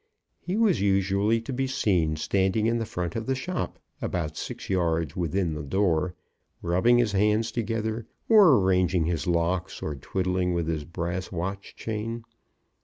He was usually to be seen standing in the front of the shop, about six yards within the door, rubbing his hands together, or arranging his locks, or twiddling with his brass watch chain.